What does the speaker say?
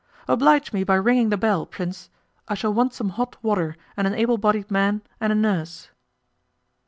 'Oblige me by ringing the bell, Prince. I shall want some hot water, and an able bodied man and a nurse.